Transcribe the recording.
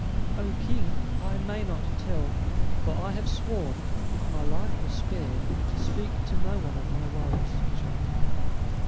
"O King! I may not tell; for I have sworn, if my life were spared, to speak to no one of my woes," she replied.